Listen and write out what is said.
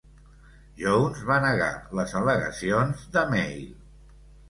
Jones va negar les al·legacions de "Mail".